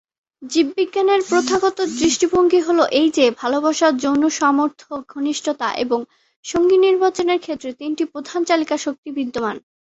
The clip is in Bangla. জীববিজ্ঞানের প্রথাগত দৃষ্টিভঙ্গি হল এই যে, ভালোবাসা, যৌন সামর্থ্য, ঘনিষ্ঠতা এবং সঙ্গী নির্বাচনের ক্ষেত্রে তিনটি প্রধান চালিকাশক্তি বিদ্যমান।